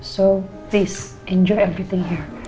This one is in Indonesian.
jadi tolong nikmati semua ini